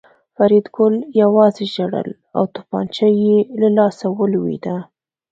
فریدګل یوازې ژړل او توپانچه یې له لاسه ولوېده